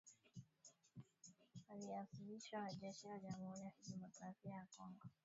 walioasilishwa na jeshi la Jamhuri ya kidemokrasia ya Kongo kwa waandishi wa habari